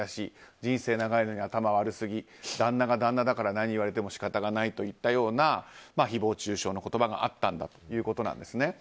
人生長いのに頭悪すぎ旦那が旦那だから何言われても仕方がないといったような誹謗中傷の言葉があったんだということなんですね。